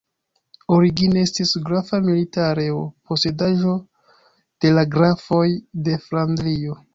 Origine estis grafa milita areo, posedaĵo de la grafoj de Flandrio.